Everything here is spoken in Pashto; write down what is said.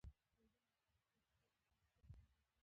د نجونو په زده کړه تاکید یو بشپړ اقتصادي پانګه اچونه ده